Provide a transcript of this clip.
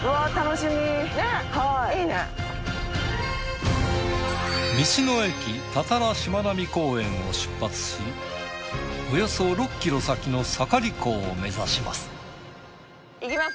しまなみ公園を出発しおよそ６ｋｍ先の盛港を目指します。